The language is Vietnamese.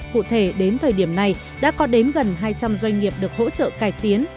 cụ thể đến thời điểm này đã có đến gần hai trăm linh doanh nghiệp được hỗ trợ cải tiến